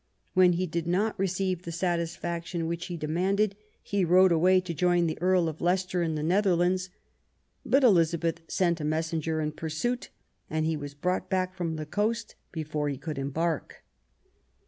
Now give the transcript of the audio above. When he did not receive the satis faction which he demanded, he rode away to join the Earl of Leicester in the Netherlands ; but Elizabeth sent a messenger in pursuit, and he was brought back from the coast before he could embark.